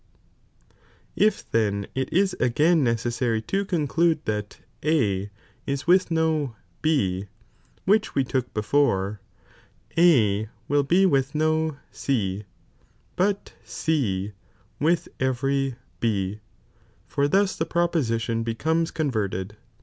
If then it ix again necesitarj to conclude that A ia with no B, which we look before, A will be with no j C, but C with every B, for tbus the proposition becomes con I verted.